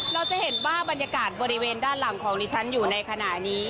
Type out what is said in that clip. เราจะเห็นว่าบรรยากาศบริเวณด้านหลังของดิฉันอยู่ในขณะนี้